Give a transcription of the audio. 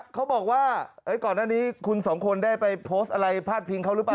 ก่อนหน้านี้คุณสองคนได้ไปโพสต์อะไรพาดพิงเขาหรือเปล่า